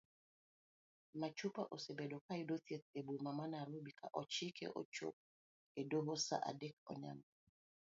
Machupa osebedo kayudo thieth eboma ma nairobi ka ochike ochop edoho saa adek onyango.